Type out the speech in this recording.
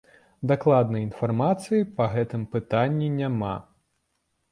Дакладнай інфармацыі па гэтым пытанні няма.